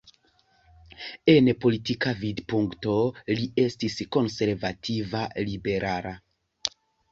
En politika vidpunkto li estis konservativa-liberala.